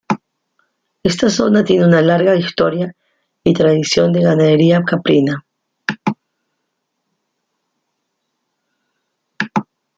Esta zona tiene una larga historia y tradición de ganadería caprina.